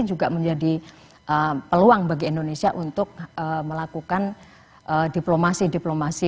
juga menjadi peluang bagi indonesia untuk melakukan diplomasi diplomasi